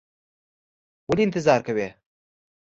ولې انتظار کوې؟